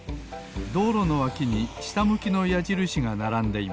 どうろのわきにしたむきのやじるしがならんでいます